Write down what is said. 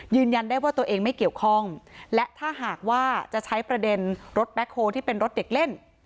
ยืนยันได้ว่าตัวเองไม่เกี่ยวข้องและถ้าหากว่าจะใช้ประเด็นรถแคลที่เป็นรถเด็กเล่น